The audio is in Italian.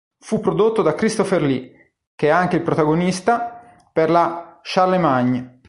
Fu prodotto da Christopher Lee, che è anche il protagonista, per la "Charlemagne".